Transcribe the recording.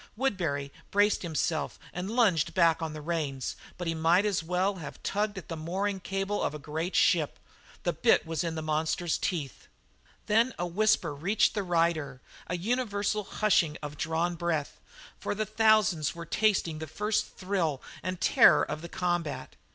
Woodbury braced himself and lunged back on the reins, but he might as well have tugged at the mooring cable of a great ship; the bit was in the monster's teeth. Then a whisper reached the rider, a universal hushing of drawn breath, for the thousands were tasting the first thrill and terror of the combat.